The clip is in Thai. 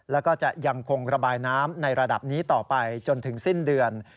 แล้วก็จะยังคงระบายน้ำในระดับนี้ต่อไปจนถึงสิ้นเดือน